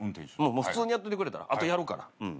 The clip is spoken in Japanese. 普通にやっててくれたらあとやるから。